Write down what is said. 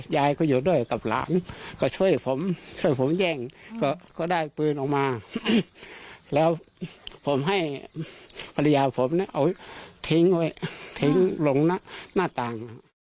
ยายก็อยู่ด้วยกับหลานก็ช่วยผมช่วยผมแย่งก็ได้ปืนออกมาแล้วผมให้ภรรยาผมเนี่ยเอาทิ้งไว้ทิ้งลงหน้าต่าง